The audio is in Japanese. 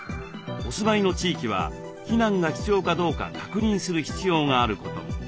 お住まいの地域は避難が必要かどうか確認する必要があることも。